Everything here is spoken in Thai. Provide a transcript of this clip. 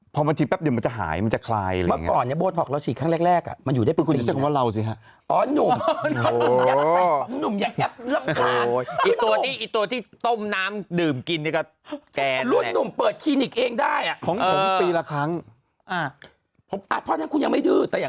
พอมันฉีดแบบเดียวมันจะหายมันจะคลายอะไรแบบนี้